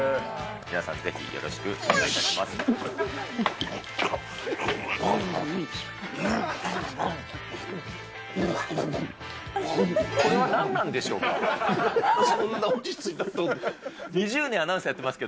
皆さんぜひよろしくお願いいたします。